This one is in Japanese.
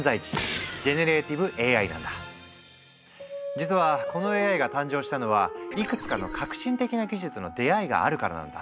実はこのＡＩが誕生したのはいくつかの革新的な技術の出会いがあるからなんだ。